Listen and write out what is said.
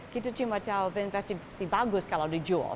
kita cuma tahu investasi bagus kalau dijual